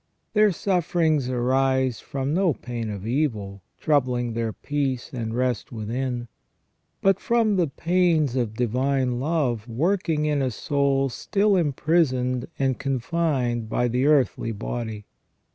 Their sufferings arise from no pain of evil, troubling their peace and rest within, but from the pains of divine love working in a soul still imprisoned and confined by the earthly body.